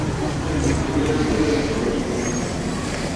Escribió la historia de su regimiento.